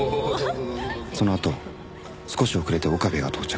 そのあと少し遅れて岡部が到着。